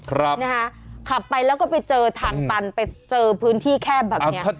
ครับนะฮะขับไปแล้วก็ไปเจอทางตันไปเจอพื้นที่แคบแบบเนี้ย